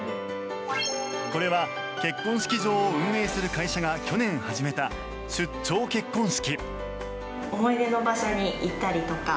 これは、結婚式場を運営する会社が去年始めた出張結婚式。